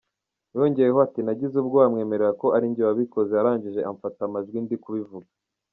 Yongeyeho ati “Nagize ubwoba mwemerera ko ari njye wabikoze arangije amfata amajwi ndi kubivuga.